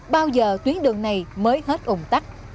bao giờ tuyến đường này mới hết ủng tắc